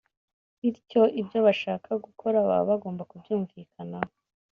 bityo ibyo bashaka gukora baba bagomba kubyumvikanaho